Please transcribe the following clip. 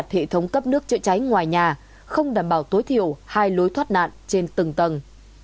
trong đó các trường đã xây dựng các chữa cháy ngoài nhà không đảm bảo tối thiểu hai lối thoát nạn trên từng tầng